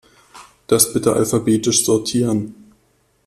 Das bitte alphabetisch sortieren.